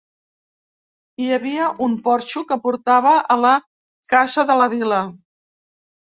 Hi havia un porxo que portava a la Casa de la Vila.